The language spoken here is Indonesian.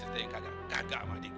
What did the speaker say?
ada apa ya bang